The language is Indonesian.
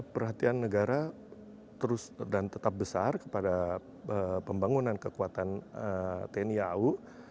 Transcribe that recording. perhatian negara terus dan tetap besar kepada pembangunan kekuatan tni au